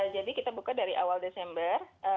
jadi kita buka dari awal desember